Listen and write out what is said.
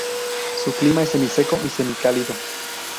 Su clima es semiseco y semicálido.